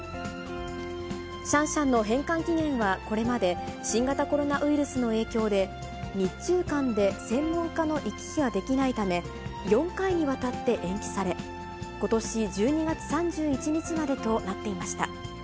シャンシャンの返還期限は、これまで新型コロナウイルスの影響で、日中間で専門家の行き来ができないため、４回にわたって延期され、ことし１２月３１日までとなっていました。